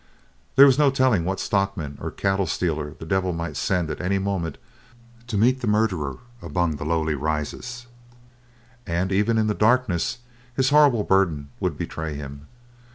There was no telling what stockman or cattle stealer the devil might send at any moment to meet the murderer among the lonely Rises, and even in the darkness his horrible burden would betray him.